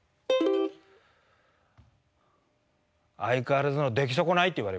「相変わらずの出来損ない」って言われました。